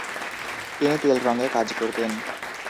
তিনি তেল রংয়ে কাজ করতেন।